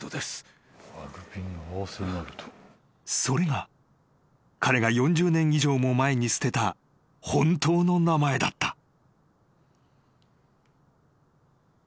［それが彼が４０年以上も前に捨てた本当の名前だった］